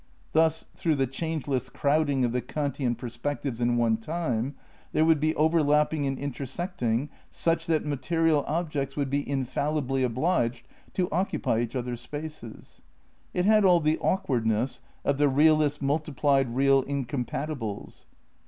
Tbus tbrougb tbe obangeless crowding of tbe Kantian perspectives in one time, tbere would be overlapping and intersecting sucb tbat material objects would be infallibly obliged to occupy eacb other's spaces. It bad all tbe awkward ness of tbe realist's multiplied real incompatibles.